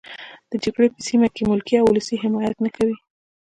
د جګړې په سیمه کې ملکي او ولسي حمایت نه کوي.